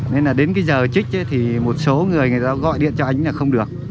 nên là đến cái giờ trích thì một số người người ta gọi điện cho anh là không được